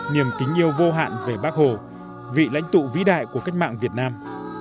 niềm kính yêu vô hạn về bác hồ vị lãnh tụ vĩ đại của cách mạng việt nam